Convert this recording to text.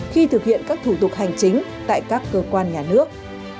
khi thực hiện các thủ tục hành chính tại các cơ quan nhà nước